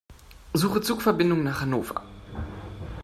Suche Zugverbindungen nach Hannover.